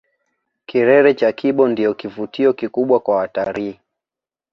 Kilele cha kibo ndicho kivutio kikubwa kwa watalii